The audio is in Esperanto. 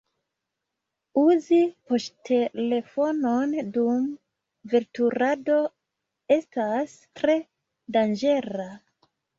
Uzi poŝtelefonon dum veturado estas tre danĝera.